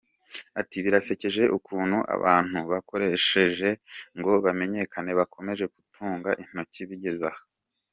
Ati “Birasekeje ukuntu abantu bankoresheje ngo bamenyekane bakomeje kuntunga intoki bigeze aha.